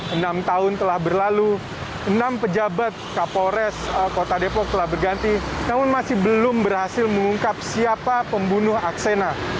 enam tahun telah berlalu enam pejabat kapolres kota depok telah berganti namun masih belum berhasil mengungkap siapa pembunuh aksena